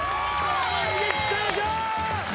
逃げきっちゃいましょう